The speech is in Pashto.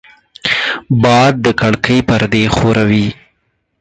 باد د کړکۍ پردې ښوروي